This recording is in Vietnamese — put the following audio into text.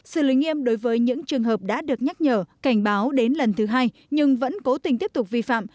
xử lý nghiêm đối với những trường hợp đã được nhắc nhở cảnh báo đến lần thứ hai nhưng vẫn cố tình tiếp tục vi phạm